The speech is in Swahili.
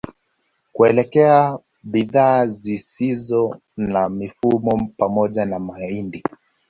Kuelekea bidhaa zisizo za mifugo pamoja na mahindi